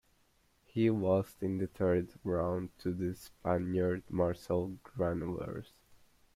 He lost in the third round to the Spaniard Marcel Granollers.